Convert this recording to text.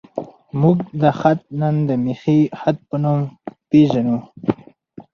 موږ دا خط نن د میخي خط په نوم پېژنو.